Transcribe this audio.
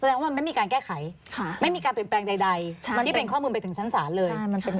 แสดงว่ามันไม่มีการแก้ไขไม่มีการเปลี่ยนแปลงใดมันที่เป็นข้อมูลไปถึงชั้นศาลเลย